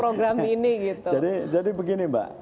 program ini jadi begini mbak